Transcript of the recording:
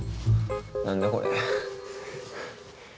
何だこれ。